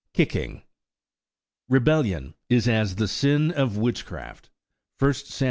KICKING "Rebellion is as the sin of witchcraft."–I SAM.